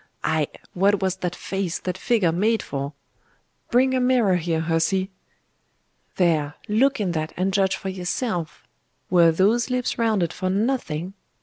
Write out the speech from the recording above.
Ay what was that face, that figure, made for? Bring a mirror here, hussy! There, look in that and judge for yourself? Were those lips rounded for nothing?